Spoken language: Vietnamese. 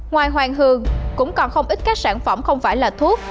ngoài hoàng hương cũng còn không ít các sản phẩm không phải là thuốc